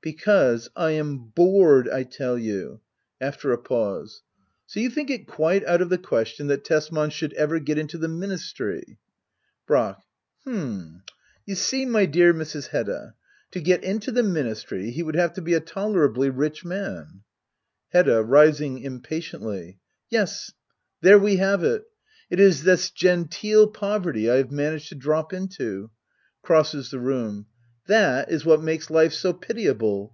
Because I am bored, I tell you ! [After a pause,] So you think it quite out of the question that Tesman should ever get into the ministry ? Brack. H'm — ^you see, my dear Mrs. Hedda — to get into the ministry, he would have to be a tolerably rich man. Hedda. [Rising impatientlf^,] Yes, there we have it! It is this genteel poverty I have managed to drop into ! [Crosses the room,] That is what makes life so pitiable